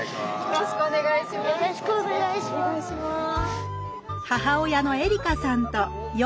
よろしくお願いします。